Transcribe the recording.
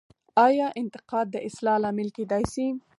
آیا انتقاد د اصلاح لامل کیدای سي؟